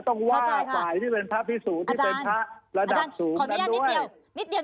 ต้องว่าฝ่ายที่เป็นพระภิสุที่เป็นทะระดับสูงนั้นด้วย